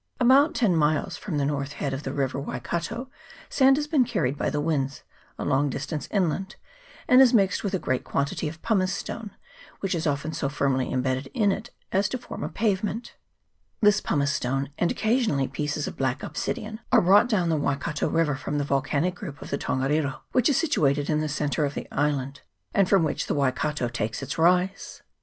About ten miles from the north head of the river Waikato sand has been carried by the winds a long distance inland, and is mixed with a great quantity of pumicestone, which is often so firmly imbedded in it as to form a pavement. This pumicestone, and occasionally pieces of black ob sidian, are brought down the Waikato river from the volcanic group of the Tongarido, which is situ ated in the centre of the island, and from which the Waikato takes its rise.